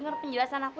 satria marah sama aku